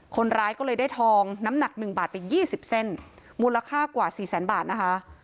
คนร้ายก็เลยได้ทองน้ำหนัก๑บาทไป๒๐เส้นมูลค่ากว่าสี่แสนบาทนะคะ